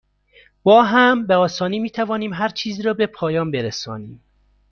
با هم، به آسانی می توانیم هرچیزی را به پایان برسانیم.